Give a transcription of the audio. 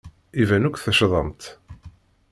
Iban akk teccḍemt.